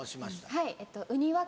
はい